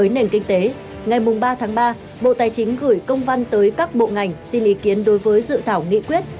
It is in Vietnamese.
ngày ba tháng ba bộ tài chính gửi công văn tới các bộ ngành xin ý kiến đối với dự thảo nghị quyết